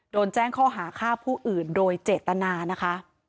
โดนแจ้งข้อหาฆ่าผู้อื่นโดยเจตนานะคะ